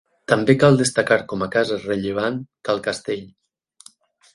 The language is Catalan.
També cal destacar com a casa rellevant Cal Castell.